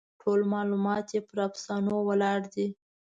ټول معلومات یې پر افسانو ولاړ دي.